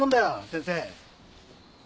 先生。